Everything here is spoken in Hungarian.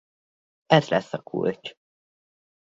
Ez lesz a kulcs.